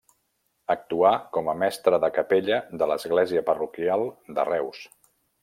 Actuà com a mestre de capella de l'església parroquial de Reus.